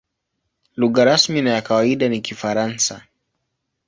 Lugha rasmi na ya kawaida ni Kifaransa.